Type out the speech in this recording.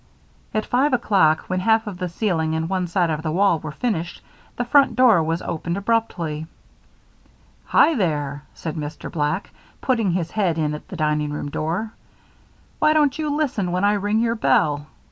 At five o'clock, when half of the ceiling and one side of the wall were finished, the front door was opened abruptly. "Hi there!" said Mr. Black, putting his head in at the dining room door. "Why don't you listen when I ring your bell?